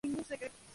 Diana Kennedy.